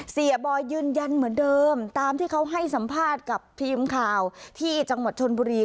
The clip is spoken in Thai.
บอยยืนยันเหมือนเดิมตามที่เขาให้สัมภาษณ์กับทีมข่าวที่จังหวัดชนบุรี